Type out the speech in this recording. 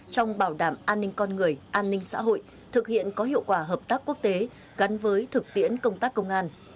trong bảo đảm an ninh con người an ninh xã hội thực hiện có hiệu quả hợp tác quốc tế gắn với thực tiễn công tác công an